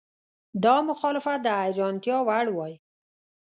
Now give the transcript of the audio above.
دا مخالفت د حیرانتیا وړ وای.